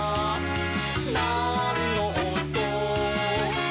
「なんのおと？」